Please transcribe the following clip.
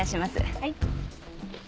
はい。